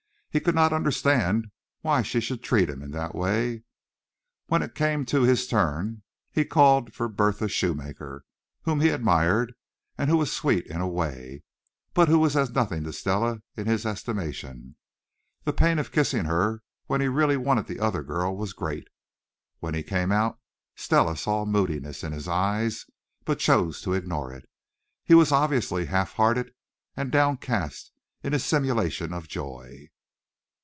He could not understand why she should treat him in that way. When it came to his turn he called for Bertha Shoemaker, whom he admired, and who was sweet in a way, but who was as nothing to Stella in his estimation. The pain of kissing her when he really wanted the other girl was great. When he came out Stella saw moodiness in his eyes, but chose to ignore it. He was obviously half hearted and downcast in his simulation of joy.